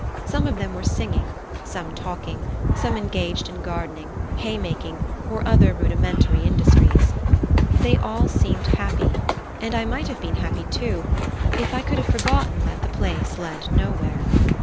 Some of them were singing, some talking, some engaged in gardening, hay making, or other rudimentary industries. They all seemed happy; and I might have been happy too, if I could have forgotten that the place led nowhere.